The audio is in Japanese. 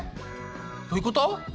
どういうこと？